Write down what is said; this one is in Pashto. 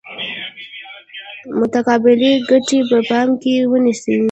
متقابلې ګټې به په پام کې ونیسي.